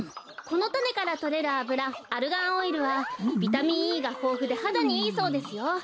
このたねからとれるあぶらアルガンオイルはビタミンＥがほうふではだにいいそうですよ。